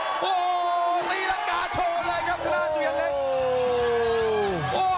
โอ้โหรีลังกาโชนเลยครับสุยาเล็ก